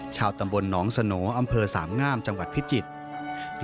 ชาวตำบลหนองสโนอำเภอสามงามจังหวัดพิจิตร